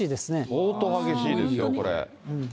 相当激しいですよ、これ。